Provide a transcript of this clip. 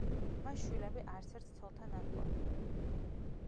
მას შვილები არცერთ ცოლთან არ ჰყოლია.